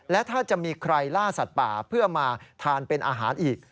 และถ้าจะมีใครล่าสัตว์ป่าเพื่อมาทานเป็นอาหารอีก